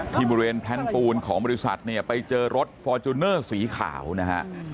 ที่บริเวณแพลนปูนของบริษัทเนี่ยไปเจอรถฟอร์จูเนอร์สีขาวนะฮะ